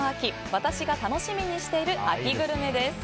私が楽しみにしている秋グルメです。